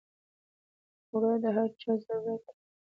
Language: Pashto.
اوړه د هر چا ضرورت دی